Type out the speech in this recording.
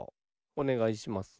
おねがいします。